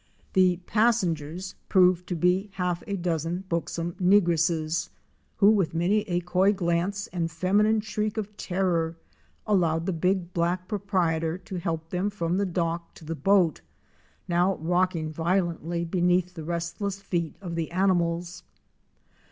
The "'pos sengers"' proved to be half a dozen buxom negresses, who with many a coy glance and feminine shriek of terror allowed the big black proprietor to help them from the dock to the boat, now rocking violently beneath the restless feet of the animals.